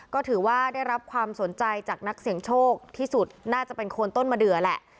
ก็ถือว่าได้รับความสนใจจากนักเสี่ยงโชคที่สุดน่าจะเป็นคนต้นมะเดือแหละ